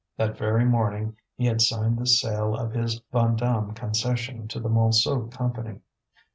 That very morning he had signed the sale of his Vandame concession to the Montsou Company.